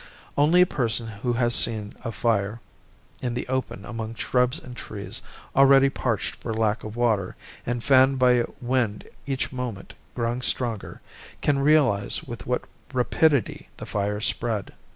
Only a person who has seen a fire in the open among shrubs and trees already parched for lack of water, and fanned by a wind each moment growing stronger, can realize with what rapidity the fire spread.